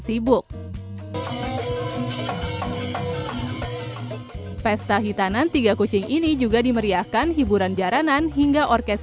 sibuk pesta hitanan tiga kucing ini juga dimeriahkan hiburan jaranan hingga orkes